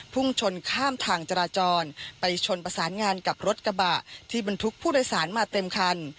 พุ่งชนข้ามทางจราจรไปชนประสานงานกับรถกระบะที่บรรทุกผู้โดยสารมาเต็มคัน